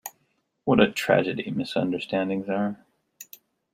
What a tragedy misunderstandings are.